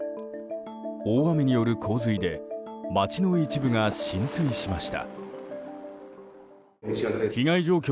大雨による洪水で街の一部が浸水しました。